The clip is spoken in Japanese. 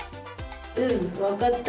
うんわかった。